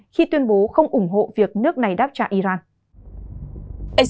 khi tuyên bố không ủng hộ việc nước này đáp trả iran